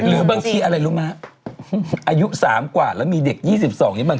หรือบางทีอะไรรู้มั้ยอายุ๓กว่าแล้วมีเด็ก๒๒นี้บางทีมันก็กระชุมกระชวยนะ